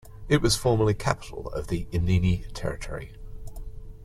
It was formerly capital of the Inini territory.